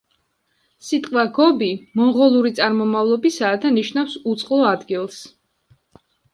სიტყვა „გობი“ მონღოლური წარმომავლობისაა და ნიშნავს „უწყლო ადგილს“.